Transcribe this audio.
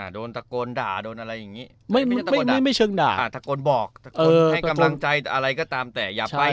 โดนตะโกนด่าโดนอะไรอย่างนี้ไม่เชิงด่าตะโกนบอกให้กำลังใจอะไรก็ตามแต่